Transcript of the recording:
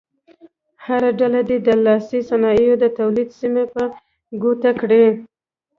هره ډله دې د لاسي صنایعو د تولید سیمې په ګوته کړي.